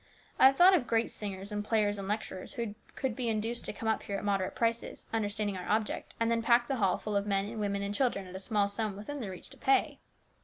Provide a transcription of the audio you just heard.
I have thought of great singers and players and lecturers who could be induced to come up here at moderate prices, under standing our object, and then pack the hall full of men and women and children at a small sum within their reach to pay.